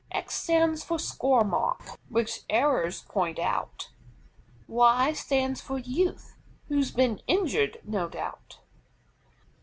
X stands for SCORE MARK, which errors point out. Y stands for YOUTH, who's been injured no doubt.